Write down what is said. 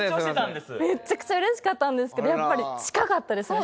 めちゃくちゃ嬉しかったんですけどやっぱり近かったですね